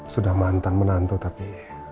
sudah mantan menantu tapi